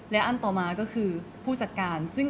และอันต่อมาก็คือผู้จัดการซึ่ง